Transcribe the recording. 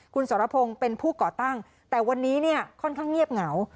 คุณสรพงศ์เป็นผู้ก่อตั้งแต่วันนี้เนี่ยค่อนข้างเงียบเหงา